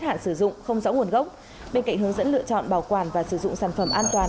hạn sử dụng không rõ nguồn gốc bên cạnh hướng dẫn lựa chọn bảo quản và sử dụng sản phẩm an toàn